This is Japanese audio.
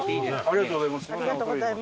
ありがとうございます。